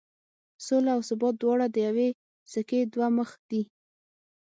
سوله او ثبات دواړه د یوې سکې دوه مخ دي.